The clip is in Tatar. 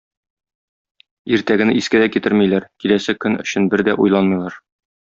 Иртәгене искә дә китермиләр, киләсе көн өчен бер дә уйланмыйлар.